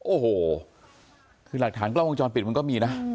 โอ้โหคือหลักฐานกล้องวงจรปิดมันก็มีนะ